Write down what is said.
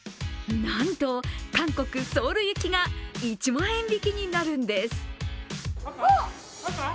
なんと、韓国ソウル行きが１万円引きになるんです。